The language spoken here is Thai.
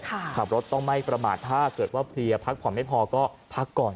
ขับรถต้องไม่ประมาทถ้าเกิดว่าเพลียพักผ่อนไม่พอก็พักก่อน